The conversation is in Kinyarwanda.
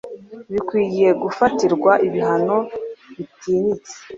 bikwiye gufatirwa ibihano bitinyitse